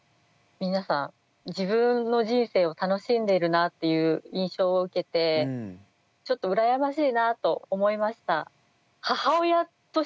皆さん自分の人生を楽しんでいるなっていう印象を受けてちょっと羨ましいなと思いました。